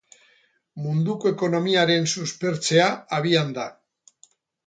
Munduko ekonomiaren suspertzea abian da.